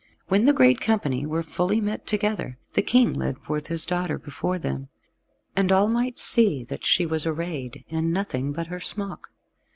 When the great company were fully met together, the King led forth his daughter before them; and all might see that she was arrayed in nothing but her smock.